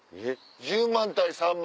１０万対３万？